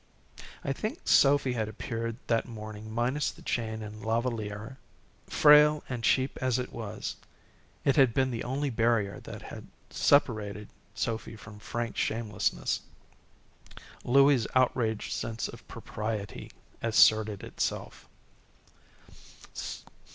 I think Sophy had appeared that morning minus the chain and La Valliere. Frail and cheap as it was, it had been the only barrier that separated Sophy from frank shamelessness. Louie's outraged sense of propriety asserted itself.